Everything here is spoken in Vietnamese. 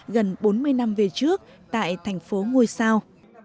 gần bốn mươi năm về trước tại thành phố ngôi sao